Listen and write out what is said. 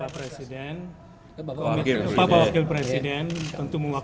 aspirasi yang disampaikan sebenarnya apa pak